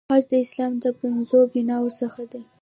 حج د اسلام د پنځو بناوو څخه دی.